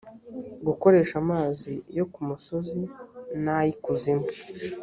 gukoresha amazi yo ku musozi n ay ikuzimu